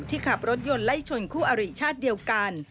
ขับรถยนต์ไล่ชนคู่อริชาติเดียวกัน